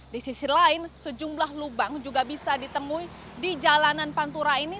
di sisi lain sejumlah lubang juga bisa ditemui di jalanan pantura ini